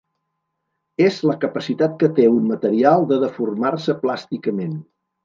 És la capacitat que té un material de deformar-se plàsticament.